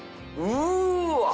うわ。